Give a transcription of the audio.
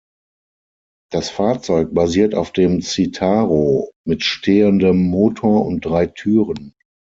Das Fahrzeug basiert auf dem Citaro mit stehendem Motor und drei Türen.